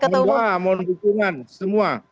mohon dukungan semua